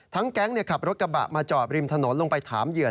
แก๊งขับรถกระบะมาจอดริมถนนลงไปถามเหยื่อ